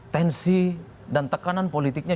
tensi dan tekanan politiknya